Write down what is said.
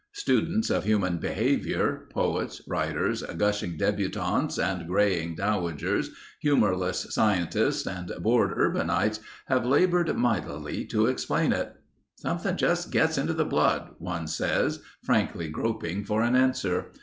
Students of human behavior, poets, writers, gushing debutantes and greying dowagers, humorless scientists, and bored urbanites have labored mightily to explain it. "Something just gets into the blood," one says, frankly groping for an answer.